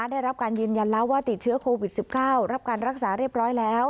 ได้รับการยืนยันแล้วว่าติดเชื้อโควิด๑๙รับการรักษาเรียบร้อยแล้ว